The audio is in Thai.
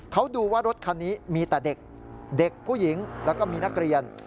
เขาดูว่ารถคันนี้มีแต่เด็กเด็กผู้หญิงแล้วก็มีนักเรียน